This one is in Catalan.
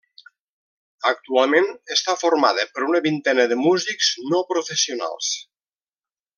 Actualment està formada per una vintena de músics no professionals.